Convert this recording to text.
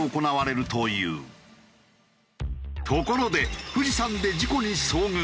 ところで富士山で事故に遭遇！